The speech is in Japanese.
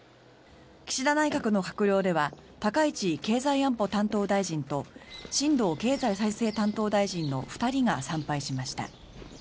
岸田内閣の閣僚では高市経済安保担当大臣と新藤経済再生担当大臣の２人が参拝しました。